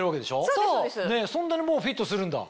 そんなにもうフィットするんだ。